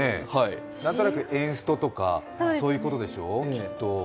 何となくエンストとかそういうことでしょ、きっと。